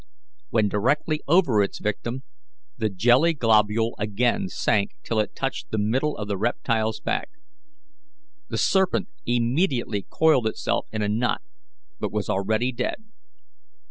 When directly over its victim the jelly globule again sank till it touched the middle of the reptile's back. The serpent immediately coiled itself in a knot, but was already dead.